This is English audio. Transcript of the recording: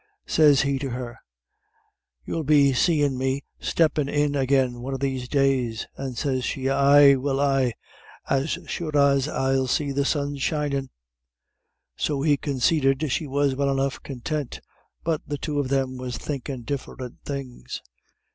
Sez he to her: 'You'll be seem' me steppin' in agin one of these days;' and sez she: 'Ay will I as sure as I'll see the sun shinin';' so he consaited she was well enough contint but the two of them was thinkin' diff'rint things.